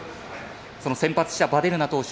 その先発したヴァデルナ投手。